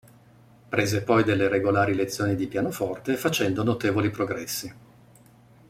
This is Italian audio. Prese poi delle regolari lezioni di pianoforte facendo notevoli progressi.